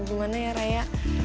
hubungannya ya raya